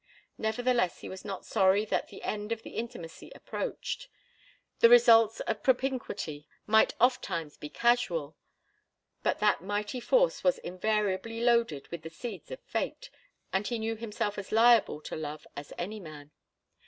Nevertheless, he was not sorry that the end of the intimacy approached. The results of propinquity might ofttimes be casual, but that mighty force was invariably loaded with the seeds of fate, and he knew himself as liable to love as any man.